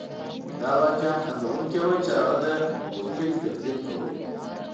دا واقعاً خندوونکې وه چې هغه د موبوتیک تقلید کاوه.